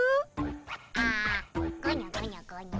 あごにょごにょごにょ。